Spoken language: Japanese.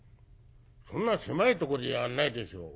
「そんな狭いとこでやんないでしょ。